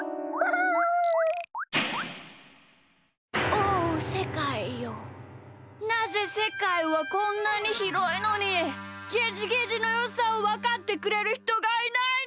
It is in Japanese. おおせかいよなぜせかいはこんなにひろいのにゲジゲジのよさをわかってくれるひとがいないのだ！